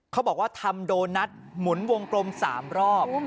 เขาบอกว่าทำโดนัทหมุนวงกลม๓รอบ